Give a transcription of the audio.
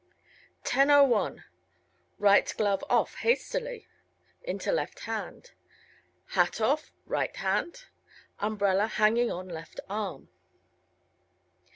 10:01 Right glove off (hastily) into left hand. Hat off (right hand). Umbrella hanging on left arm.